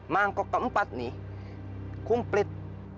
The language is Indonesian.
mangkok keempat nih kumplit